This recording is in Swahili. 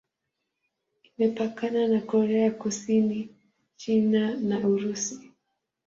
Imepakana na Korea Kusini, China na Urusi.